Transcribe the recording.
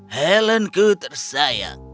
helen ku tersayang